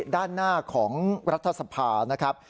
ด้านหน้าของรัฐสภานะครับ